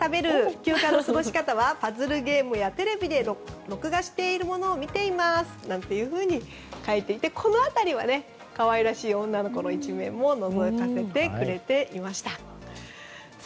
休暇の過ごし方はパズルゲームや、テレビで録画しているものを見ていますなんていうふうに書いていて、この辺りは可愛らしい女の子の一面ものぞかせてくれていました。